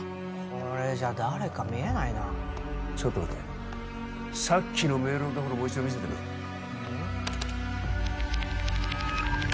これじゃ誰か見えないなちょっと待てさっきのメールのところもう一度見せてみろうん？